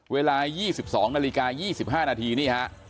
เวลา๒๒นาฬิกา๒๕นาทีนี่ฮะ